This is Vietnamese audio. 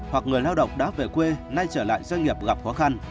hoặc người lao động đã về quê nay trở lại doanh nghiệp gặp khó khăn